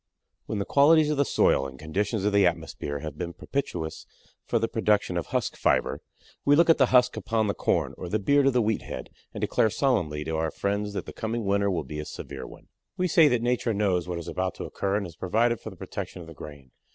When the qualities of the soil and conditions of the atmosphere have been propitious for the production of husk fiber, we look at the husk upon the corn or the beard of the wheat head and declare solemnly to our friends that the coming winter will be a severe one. We say that Nature knows what is about to occur and has provided for the protection of the grain.